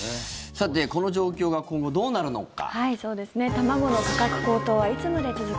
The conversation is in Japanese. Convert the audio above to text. さて、この状況が今後どうなるのか。